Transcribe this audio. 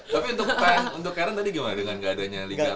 tapi untuk karen tadi gimana dengan gak adanya